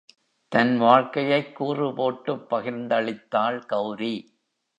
தன் வாழ்க்கையைக் கூறுபோட்டுப் பகிர்ந்தளித்தாள் கெளரி.